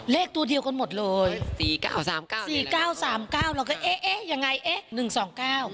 เลขตัวเดียวกันหมดเลย๔๙๓๙เราก็เอ๊ะยังไงเอ๊ะ๑๒๙